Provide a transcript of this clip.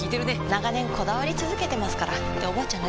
長年こだわり続けてますからっておばあちゃん